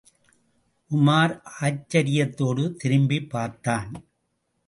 உமார் ஆச்சரியத்தோடு திரும்பிப் பார்த்தான்.